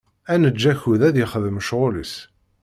Ad neǧǧ akud ad yexdem ccɣel-is.